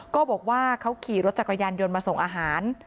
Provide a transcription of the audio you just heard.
ก็บอกว่าเขาขี่รถจักรยานยนต์มาส่งอาหาร